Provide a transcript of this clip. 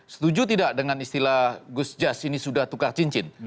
setuju tidak dengan istilah gusjas ini sudah tukar cincin